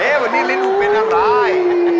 เฮ้วันนี้ลิภุเป็นอะไร